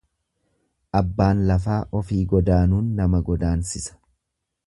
Abbaan lafaa ofii godaanuun nama godaansisa.